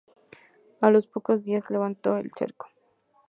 A los pocos días levantó el cerco.